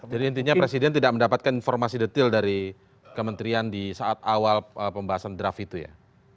jadi intinya presiden tidak mendapatkan informasi detail dari kementerian di saat awal pembahasan draft itu ya